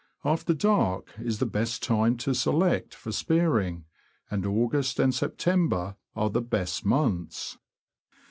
After dark is the best time to select for spearing ; and August and September are the best months.